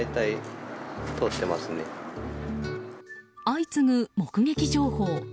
相次ぐ目撃情報。